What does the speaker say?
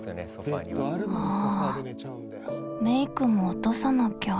ああメークも落とさなきゃ。